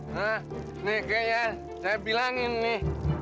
hah nih kek ya saya bilangin nih